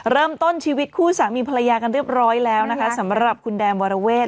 เริ่มต้นชีวิตคู่สามีภรรยากันเรียบร้อยแล้วนะคะสำหรับคุณแดมวรเวท